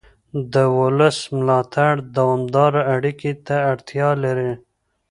د ولس ملاتړ دوامداره اړیکې ته اړتیا لري